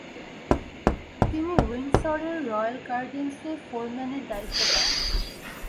তিনি উইন্ডসরের রয়েল গার্ডেন্সে ফোরম্যানের দায়িত্ব পান।